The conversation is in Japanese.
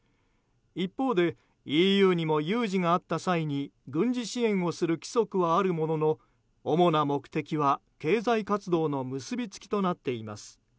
一方で、ＥＵにも有事があった際に軍事支援をする規則はあるものの主な目的は経済活動の結びつきとなっています。